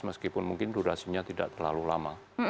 meskipun mungkin durasinya tidak terlalu lama